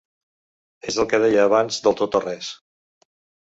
És el que deia abans del tot o res.